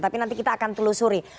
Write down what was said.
tapi nanti kita akan telusuri